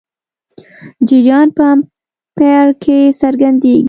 جریان په امپیر کې څرګندېږي.